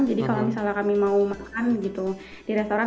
jadi kalau misalnya kami mau makan gitu di restoran